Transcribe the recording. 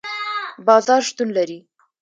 بازار شتون لري